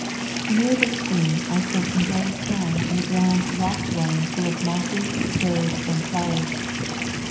Near this stream I spent some joyous time in a grand rock dwelling full of mosses, birds, and flowers.